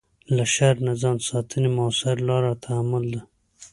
له شر نه ځان ساتنې مؤثره لاره تحمل ده.